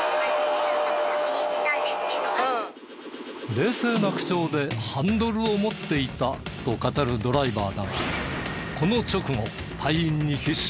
冷静な口調でハンドルを持っていたと語るドライバーだがこの直後隊員に必死に食い下がる。